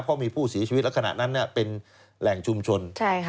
เพราะมีผู้เสียชีวิตลักษณะนั้นเป็นแหล่งชุมชน